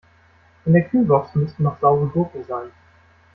In der Kühlbox müssten noch saure Gurken sein.